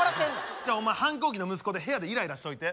じゃあお前反抗期の息子で部屋でイライラしといて。